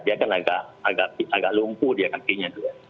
dia kan agak lumpuh dia kakinya